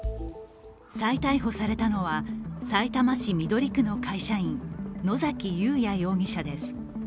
再逮捕されたのは、さいたま市緑区の会社員野崎祐也容疑者です。